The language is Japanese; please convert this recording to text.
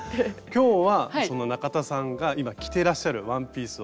今日はその中田さんが今着てらっしゃるワンピースを。